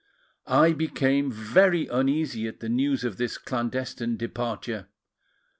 I became very uneasy at the news of this clandestine departure.